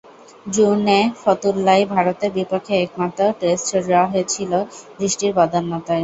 জুনে ফতুল্লায় ভারতের বিপক্ষে একমাত্র টেস্ট ড্র হয়েছিল হয়েছিল বৃষ্টির বদান্যতায়।